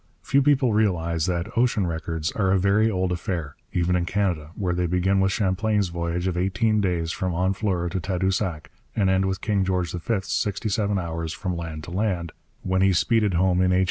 Few people realize that 'ocean records' are a very old affair, even in Canada, where they begin with Champlain's voyage of eighteen days from Honfleur to Tadoussac and end with King George V's sixty seven hours from land to land, when he speeded home in H.